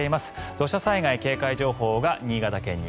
土砂災害警戒情報が新潟県に。